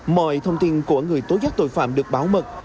mọi thông tin của người tố giác tội phạm được bảo mật